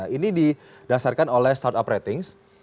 ini didasarkan oleh startup ratings